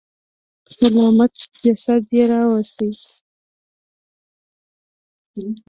سلامت جسد يې راويست.